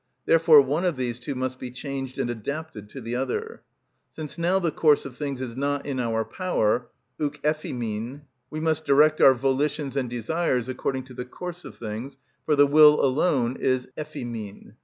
Therefore one of these two must be changed and adapted to the other. Since now the course of things is not in our power (ουκ εφ᾽ ἡμιν), we must direct our volitions and desires according to the course of things: for the will alone is εφ᾽ ἡμιν.